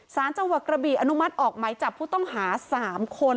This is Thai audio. สารจังหวัดกระบีอนุมัติออกไหมจับผู้ต้องหา๓คน